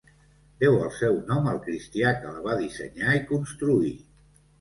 Deu el seu nom al cristià que la va dissenyar i construir.